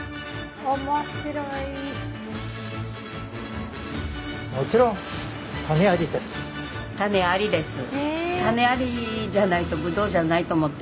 面白い。